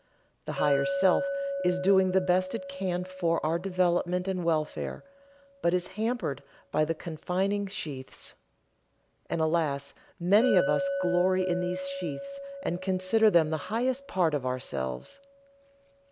The Higher Self is doing the best it can for our development and welfare, but is hampered by the confining sheaths. And alas, many of us glory in these sheaths and consider them the highest part of ourselves.